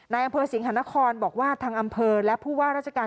นายอังเพิ่มสิ่งฮันนครบอกว่าทางอำเภอและผู้ว่าราชการ